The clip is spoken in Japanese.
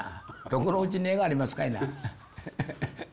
どこのうちに絵がありますかいな。